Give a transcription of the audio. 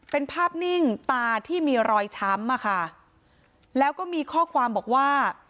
เป็นภาพนิ่งตาที่มีรอยช้ำอะค่ะแล้วก็มีข้อความบอกว่า